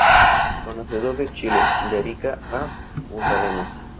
Conocedor de Chile, de Arica a Punta Arenas.